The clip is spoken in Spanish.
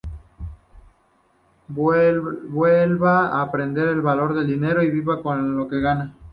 Vuelva a aprender el valor del dinero y viva con lo que gana.